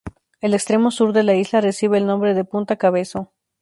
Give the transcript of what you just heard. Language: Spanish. El extremo sur de la isla recibe el nombre de punta Cabezo.